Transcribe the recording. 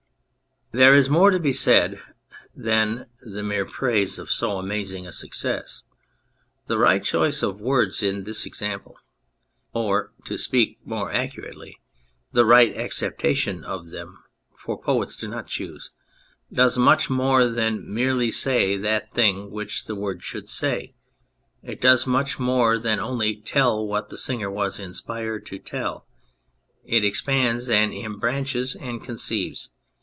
There is more to be said than the mere praise of so amazing a success ; the right choice of words in this example, or (to speak more accurately) the right acceptation of them for poets do not choose does much more than merely say that thing which such words should say. It does much more than only tell what the singer was inspired to tell. It expands, and embranches and conceives.